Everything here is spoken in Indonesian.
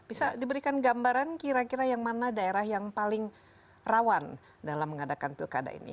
bisa diberikan gambaran kira kira yang mana daerah yang paling rawan dalam mengadakan pilkada ini